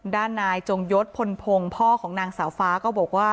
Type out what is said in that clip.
ด้านนายจงยศพลพงศ์พ่อของนางสาวฟ้าก็บอกว่า